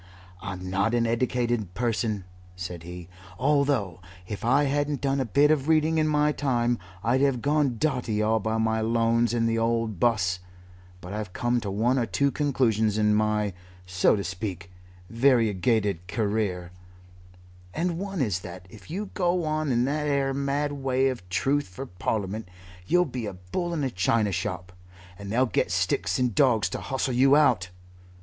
"I'm not an eddicated person," said he, "although if I hadn't done a bit of reading in my time I'd have gone dotty all by my lones in the old 'bus, but I've come to one or two conclusions in my, so to speak, variegated career, and one is that if you go on in that 'ere mad way for Truth in Parliament, you'll be a bull in a china shop, and they'll get sticks and dawgs to hustle you out.